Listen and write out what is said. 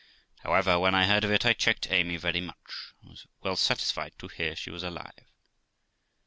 However, when I heard of it, I checked Amy very much, but was well satisfied to hear she was alive.